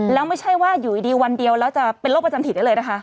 แล้วไม่ใช่ว่าอยู่ดีวันเดียวแล้วจะเป็นโรคประจำถิ่นได้เลยนะคะ